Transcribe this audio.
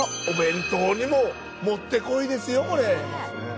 お弁当にももってこいですよこれ。